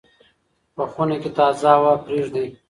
په خونه کې تازه هوا پرېږدئ.